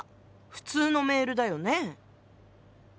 普通のメールだよね。